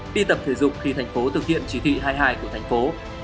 đi tập thể dục khi thành phố thực hiện chỉ thị hai mươi hai của thành phố